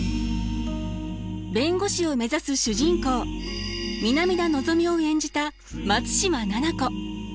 弁護士を目指す主人公南田のぞみを演じた松嶋菜々子。